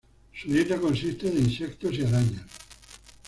Su dieta consiste de insectos y arañas.